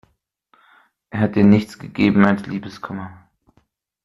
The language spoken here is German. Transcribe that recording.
Er hat dir nichts gegeben als Liebeskummer.